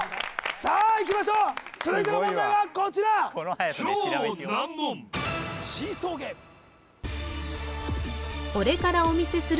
さあいきましょう続いての問題はこちらシーソーゲームこれからお見せする